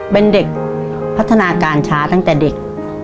เป็นเด็กพัฒนาการช้าตั้งแต่เด็ก